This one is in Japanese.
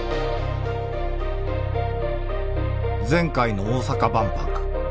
前回の大阪万博。